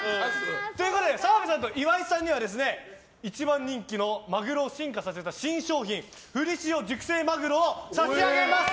澤部さんと岩井さんには一番人気のまぐろを進化させた新商品ふり塩熟成まぐろを差し上げます。